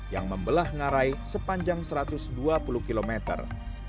yang membelah ngarai sepanjang satu ratus dua puluh kilometer